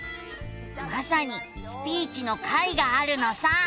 まさに「スピーチ」の回があるのさ。